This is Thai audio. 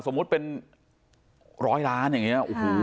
สมมุติเป็นร้อยล้านอย่างนี้โอ้โห